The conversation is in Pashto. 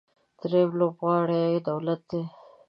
درېیم لوبغاړی دولت دی.